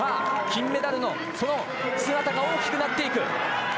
金メダルの姿が大きくなっていく。